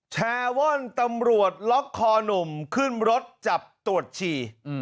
แชร์ว่อนตำรวจล็อกคอหนุ่มขึ้นรถจับตรวจฉี่